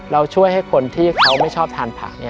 เราช่วยให้คนที่เขาไม่ชอบทานผัก